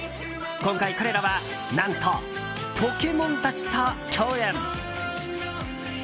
今回、彼らは何とポケモンたちと共演。